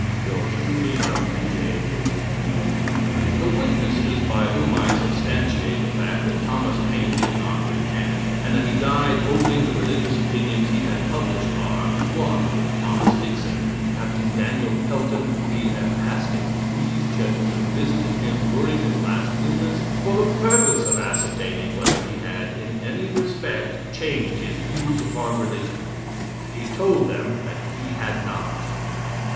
Yours truly, W.J. Hilton" The witnesses by whom I substantiate the fact that Thomas Paine did not recant, and that he died holding the religious opinions he had published are: 1. Thomas Nixon, Capt. Daniel Pelton, B.F. Haskin. These gentlemen visited him during his last illness for the purpose of ascertaining whether he had, in any respect, changed his views upon religion. He told them that he had not.